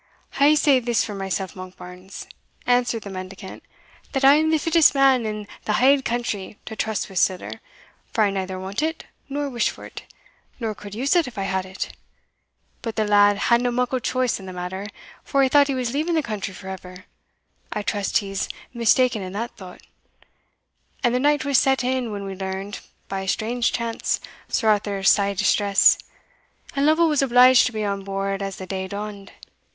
"I'll say this for mysell, Monkbarns," answered the mendicant, "that I am the fittest man in the haill country to trust wi' siller, for I neither want it, nor wish for it, nor could use it if I had it. But the lad hadna muckle choice in the matter, for he thought he was leaving the country for ever (I trust he's mistaen in that though); and the night was set in when we learned, by a strange chance, Sir Arthur's sair distress, and Lovel was obliged to be on board as the day dawned.